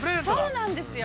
◆そうなんですよ。